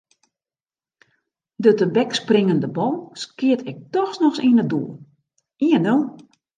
De tebekspringende bal skeat ik dochs noch yn it doel: ien-nul.